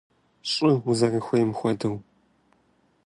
ЩӀы узэрыхуейм хуэдэу!